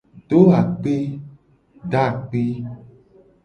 Do akpe.